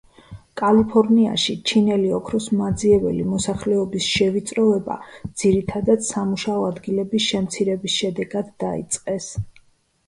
კალიფორნიაში, ჩინელი ოქროსმაძიებელი მოსახლეობის შევიწროვება, ძირითადად სამუშაო ადგილების შემცირების შემდეგ დაიწყეს.